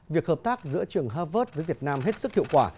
việc hợp tác giữa trường harvard với việt nam hết sức hiệu quả